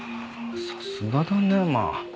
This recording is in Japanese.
さすがだねまあ。